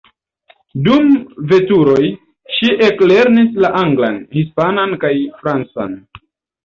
Dum veturoj, ŝi eklernis la anglan, hispanan kaj francan.